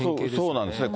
そうなんですね。